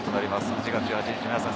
８月１８日、皆さん